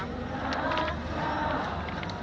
จงสลิขิตดัง